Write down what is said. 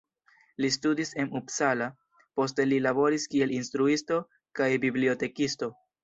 Li studis en Uppsala, poste li laboris kiel instruisto kaj bibliotekisto.